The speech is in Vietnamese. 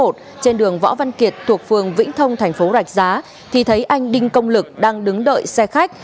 trên đường võ văn kiệt thuộc phường vĩnh thông thành phố rạch giá thì thấy anh đinh công lực đang đứng đợi xe khách